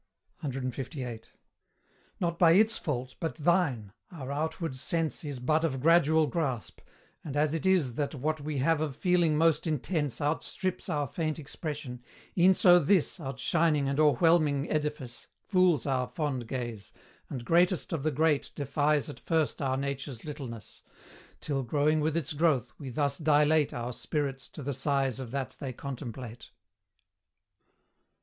CLVIII. Not by its fault but thine: Our outward sense Is but of gradual grasp and as it is That what we have of feeling most intense Outstrips our faint expression; e'en so this Outshining and o'erwhelming edifice Fools our fond gaze, and greatest of the great Defies at first our nature's littleness, Till, growing with its growth, we thus dilate Our spirits to the size of that they contemplate.